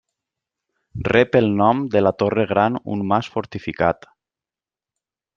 Rep el nom de la Torre Gran un mas fortificat.